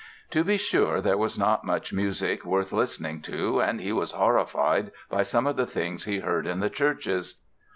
To be sure, there was not much music worth listening to and he was horrified by some of the things he heard in the churches.